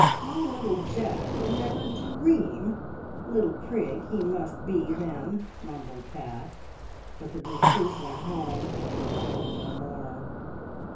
My little Jack would never dr eam " "Little prig he must be, then," mumbled Pat; but the reproof went home, and he grumbled no more.